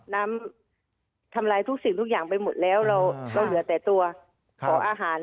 น้ำทำลายทุกสิ่งทุกอย่างไปหมดแล้วเราเหลือแต่ตัวขออาหาร